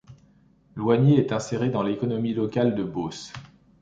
Loigny est inséré dans l'économie agricole de Beauce.